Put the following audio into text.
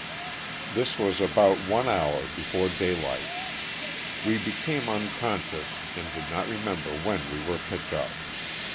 This was about one hour before day 240 LOSS OF THE SULTANA. light. We became unconscious and did not remember when we were picked up.